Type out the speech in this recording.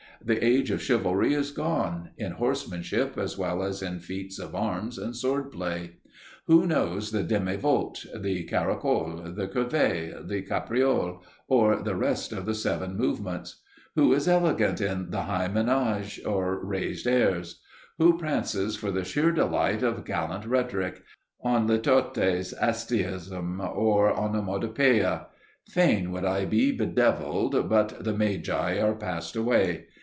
The age of Chivalry is gone, in horsemanship as well as in feats of arms and sword play. Who knows the demi volt, the caracole, the curvet, the capriole or the rest of the Seven Movements? Who is elegant in the High Manege or Raised Airs? Who prances for the sheer delight of gallant rhetoric, on Litotes, Asteism or Onomatopoeia? Fain would I be bedevilled, but the Magi are passed away.